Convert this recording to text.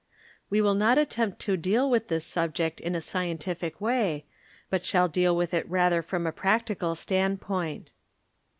We shall not attempt to deal with this subject in a scientihc way, but shall deal with it rather from a practical standpoint.